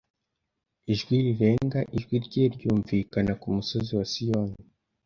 ijwi rirenga ijwi rye ryumvikana ku musozi wa Siyoni